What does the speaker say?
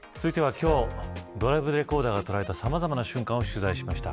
続いては今日ドライブレコーダーが捉えたさまざまな瞬間を取材しました。